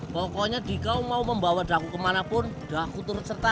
pokoknya dikau mau membawa daku kemanapun daku turun serta